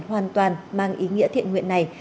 hoàn toàn mang ý nghĩa thiện nguyện này